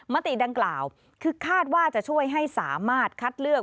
มติดังกล่าวคือคาดว่าจะช่วยให้สามารถคัดเลือก